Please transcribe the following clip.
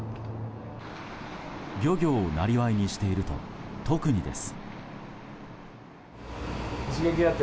漁業を生業にしていると特にです。